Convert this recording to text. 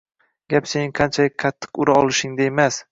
Gap sening qanchalik qattiq ura olishingda emas